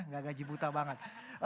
gak gaji buta banget